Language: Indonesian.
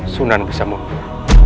sunan bisa mundur